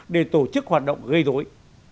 để tổ chức hoạt động gây dối